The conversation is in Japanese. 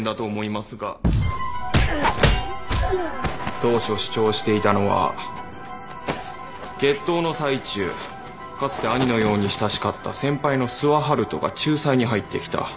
当初主張していたのは決闘の最中かつて兄のように親しかった先輩の諏訪遙人が仲裁に入ってきた。